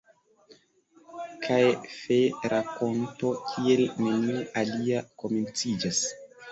Kaj fe-rakonto kiel neniu alia komenciĝas...